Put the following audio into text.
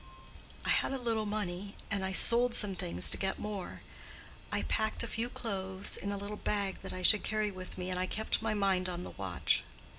I had a little money, and I sold some things to get more. I packed a few clothes in a little bag that I could carry with me, and I kept my mind on the watch.